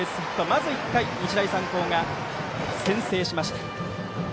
まず１回、日大三高が先制しました。